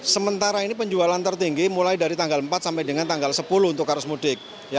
sementara ini penjualan tertinggi mulai dari tanggal empat sampai dengan tanggal sepuluh untuk arus mudik